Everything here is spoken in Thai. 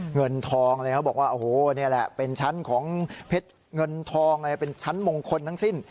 เงินทองเลยเขาบอกว่าโอ้โหนี่แหละเป็นชั้นของเพชรเงินทองอะไรเป็นชั้นมงคลทั้งสิ้น